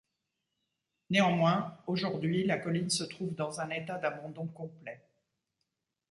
Néanmoins, aujourd'hui, la colline se trouve dans un état d'abandon complet.